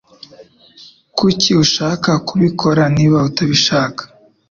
Kuki ushaka kubikora niba utabishaka